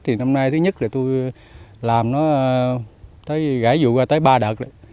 thì năm nay thứ nhất là tôi làm nó gãi vụ ra tới ba đợt